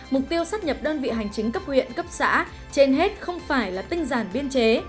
mục tiêu sát nhập đơn vị hành chính cấp huyện cấp xã trên hết không phải là tinh giản biên chế